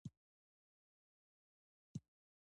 ډېر فکر او بحث کولو ته وخت پاته نه وو.